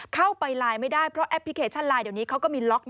เข้าไปไลน์ไม่ได้เพราะแอปพลิเคชันไลน์เดี๋ยวนี้เขาก็มีล็อก